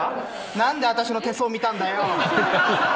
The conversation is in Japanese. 何で私の手相見たんだよ！